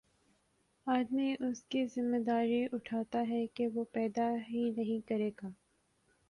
آدمی اس کی ذمہ داری اٹھاتا ہے کہ وہ پیدا ہی نہیں کرے گا